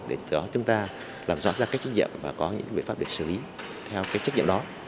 để chúng ta làm rõ ra các trách nhiệm và có những biện pháp để xử lý theo trách nhiệm đó